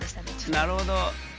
なるほど。